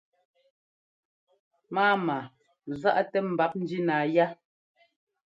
Mámaa záʼ-tɛ mbap njínáa yá.